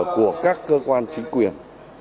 của các cơ quan chính quyền